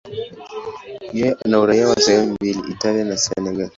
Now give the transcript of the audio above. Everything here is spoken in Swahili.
Yeye ana uraia wa sehemu mbili, Italia na Senegal.